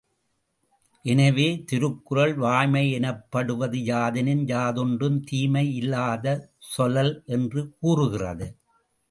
எனவே, திருக்குறள், வாய்மை யெனப்படுவது யாதெனின் யாதொன்றும் தீமை யிலாத சொலல் என்று கூறுகிறது.